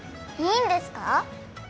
いいんですか？